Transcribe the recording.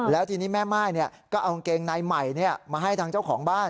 แล้วทีนี้แม่ม่ายก็เอากางเกงในใหม่มาให้ทางเจ้าของบ้าน